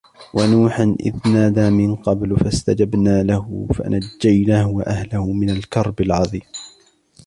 ونوحا إذ نادى من قبل فاستجبنا له فنجيناه وأهله من الكرب العظيم